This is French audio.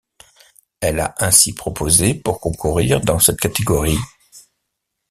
Elle a ainsi proposé pour concourir dans cette catégorie.